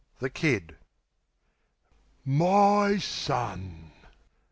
The Kid My son!...